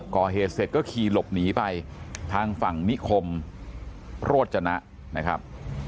ก่อเหตุเสร็จก็ขี่หลบหนีไปทางฝั่งนิคมโรจนะนะครับ